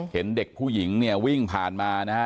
เห็นเด็กผู้หญิงเนี่ยวิ่งผ่านมานะฮะ